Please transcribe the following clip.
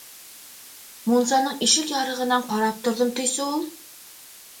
Мунсаның ишек ярығынан ҡарап торҙом тейсе у...